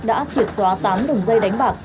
đã triệt xóa tám đường dây đánh bạc